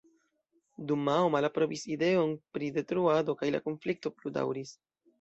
Dumao malaprobis ideon pri detruado kaj la konflikto plu daŭris.